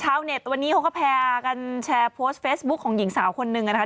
เน็ตวันนี้เขาก็พากันแชร์โพสต์เฟซบุ๊คของหญิงสาวคนนึงนะคะ